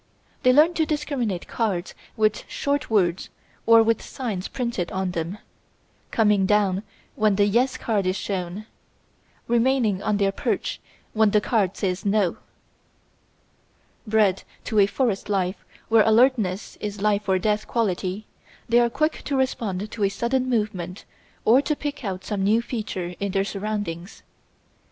They learn to discriminate cards with short words or with signs printed on them, coming down when the "Yes" card is shown, remaining on their perch when the card says "No." Bred to a forest life where alertness is a life or death quality, they are quick to respond to a sudden movement or to pick out some new feature in their surroundings.